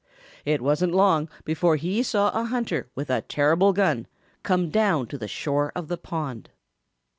It wasn't long before he saw a hunter with a terrible gun come down to the shore of the pond.